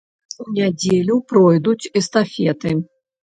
У нядзелю пройдуць эстафеты.